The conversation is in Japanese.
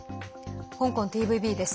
香港ＴＶＢです。